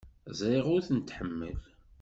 Ẓriɣ ur tent-tḥemmel.